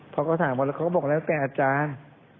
พอก็ถามหมดแล้วก็บอกแม่เป็นอาจารย์